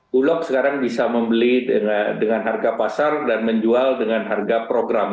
bulog sekarang bisa membeli dengan harga pasar dan menjual dengan harga program